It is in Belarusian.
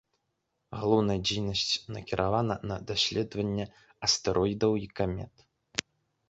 Галоўная дзейнасць накіравана на даследаванне астэроідаў і камет.